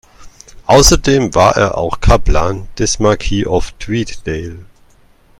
Außerdem war er auch Kaplan des Marquis of Tweeddale.